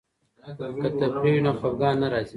که تفریح وي نو خفګان نه راځي.